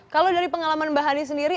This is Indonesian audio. kalau dari pengalaman mbak hani sendiri